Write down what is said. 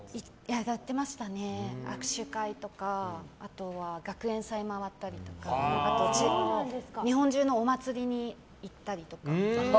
やってましたね、握手会とかあとは、学園祭を回ったりとか日本中のお祭りに行ったりとか。